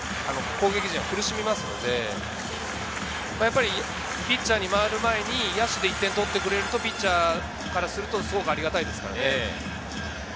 攻撃陣は苦しみますので、ピッチャーに回る前に野手で１点とってくれるとピッチャーからするとすごくありがたいですからね。